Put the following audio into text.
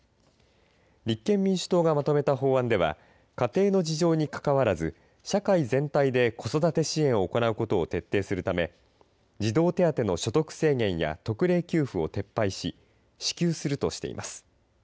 立憲民主党がまとめた法案では家庭の事情にかかわらず社会全体で子育て支援を行うことを徹底するため児童手当の所得制限や特例給付を撤廃し支給するとしています。